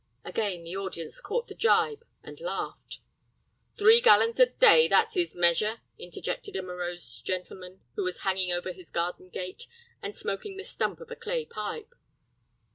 Again the audience caught the gibe and laughed. "Three gallons a day, that's 'is measure," interjected a morose gentleman, who was hanging over his garden gate and smoking the stump of a clay pipe.